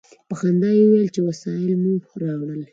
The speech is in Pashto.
په خندا یې وویل چې وسایل مو راوړل.